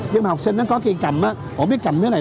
nhưng mà học sinh nó có khi cầm không biết cầm thứ này